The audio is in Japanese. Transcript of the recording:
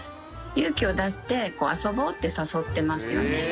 勇気を出して遊ぼうって誘ってますよね。